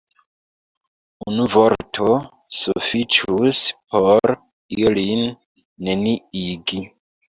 Unu vorto sufiĉus por ilin neniigi.